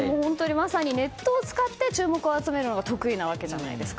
まさにネットを使って注目を集めるのが得意なわけじゃないですか。